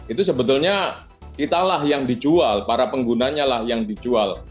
itu sebetulnya kitalah yang dijual para penggunanya lah yang dijual